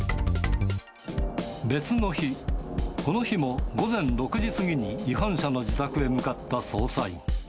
別の日、この日も午前６時過ぎに違反者の自宅へ向かった捜査員。